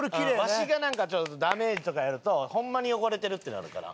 わしがダメージとかやるとホンマに汚れてるってなるから。